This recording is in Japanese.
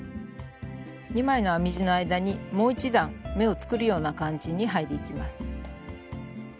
２枚の編み地の間にもう一段目を作るような感じにはいでいきます。